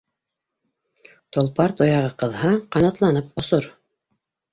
Толпар тояғы ҡыҙһа, ҡанатланып осор.